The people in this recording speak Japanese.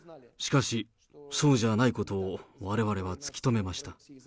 しかし、そうじゃないことを、われわれは突き止めました。